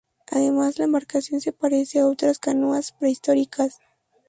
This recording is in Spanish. Además la embarcación se parece a otras canoas prehistóricas.